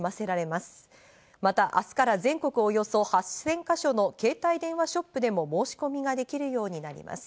また、明日から全国およそ８０００か所の携帯電話ショップでも申し込みができるようになります。